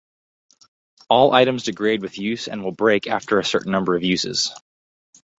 All items degrade with use and will break after a certain number of uses.